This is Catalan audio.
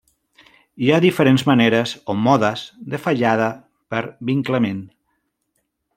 Hi ha diferents maneres o modes de fallada per vinclament.